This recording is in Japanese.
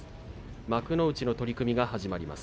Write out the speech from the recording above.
幕内の取組が始まります。